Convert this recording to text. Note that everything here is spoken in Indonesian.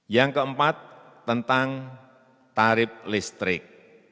yang keempat tentang tarif listrik